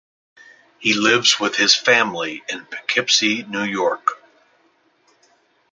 He lives with his family in Poughkeepsie, New York.